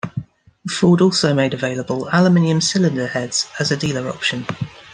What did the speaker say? Ford also made available aluminum cylinder heads as a dealer option.